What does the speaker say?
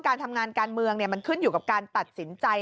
การทำงานการเมืองมันขึ้นอยู่กับการตัดสินใจ